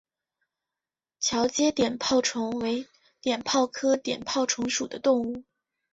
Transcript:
桥街碘泡虫为碘泡科碘泡虫属的动物。